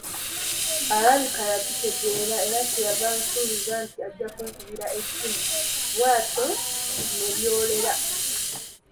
Alabika yakitegeera, era kye yava ansuubiza nti ajja kunkubira essimu, bw'atyo ne byolera.